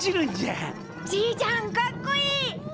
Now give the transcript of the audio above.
じいちゃんかっこいい！